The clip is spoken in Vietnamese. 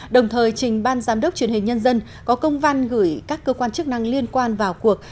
đồng thời trình ban giám đốc truyền hình nhân dân có công văn gửi các cơ quan chức năng liên quan vào cuộc